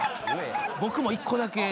僕も１個だけ。